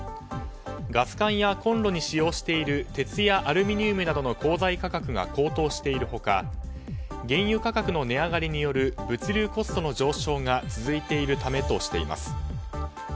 ガス管やコンロに使用している鉄やアルミニウムの鋼材価格が高騰しているほか原油価格の値上がりによる物流コストの上昇が続いているためとしています。